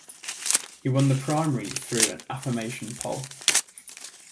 He won the primary through an affirmation poll.